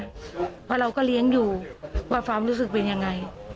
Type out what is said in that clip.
เพราะเราก็เลี้ยงอยู่ว่าความรู้สึกเป็นยังไง